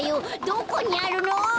どこにあるの？